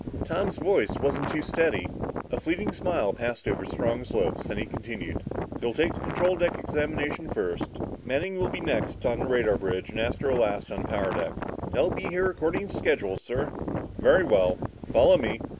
Tom's voice wasn't too steady. A fleeting smile passed over Strong's lips, then he continued. "You'll take the control deck examination first. Manning will be next on the radar bridge and Astro last on the power deck." "They'll be here according to schedule, sir." "Very well. Follow me."